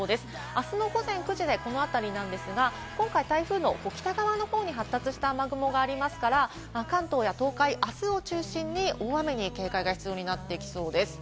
あすの午前９時でこの辺りですが、今回、台風の北側の方に発達した雨雲がありますから、関東や東海、あすを中心に大雨に警戒が必要になっていきそうです。